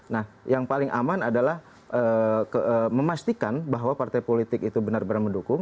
nah yang paling aman adalah memastikan bahwa partai politik itu benar benar mendukung